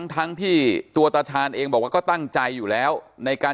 ทั้งที่ตัวตาชาญเองบอกว่าก็ตั้งใจอยู่แล้วในการ